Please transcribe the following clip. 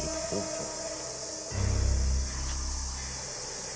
じゃあ。